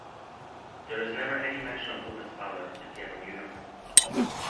There is never any mention of Opus' father if he ever knew him.